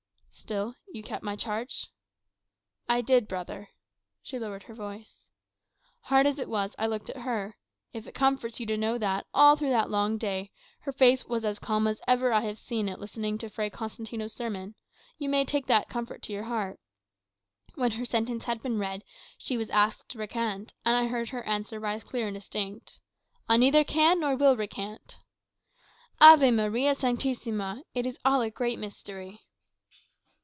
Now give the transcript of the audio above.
"Still you kept my charge?" "I did, brother." She lowered her voice. "Hard as it was, I looked at her. If it comforts you to know that, all through that long day, her face was as calm as ever I have seen it listening to Fray Constantino's sermons, you may take that comfort to your heart When her sentence had been read, she was asked to recant; and I heard her answer rise clear and distinct, 'I neither can nor will recant.' Ave Maria Sanctissima! it is all a great mystery."